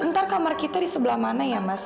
ntar kamar kita disebelah mana ya mas